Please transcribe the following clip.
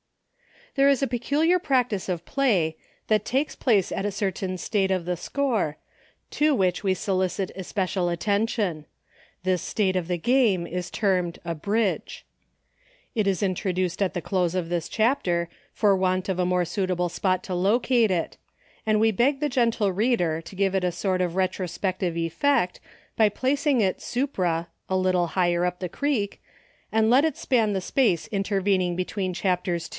There is a peculiar practice of play, that takes place at a certain state of the score, to which we solicit especial attention. This state of the game is termed a Bridge. It is introduced at the close of this Chapter, for want of a more suitable spot to locate it, and We beg the gentle reader to give it a sort of retrospective effect by placing it supra — a little higher up the creek — and let it span 56 EUCHRE. the space intervening between CI apters II.